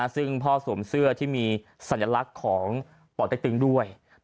ซึ่งพ่อสวมเสื้อที่มีสัญลักษณ์ของป่อเต็กตึงด้วย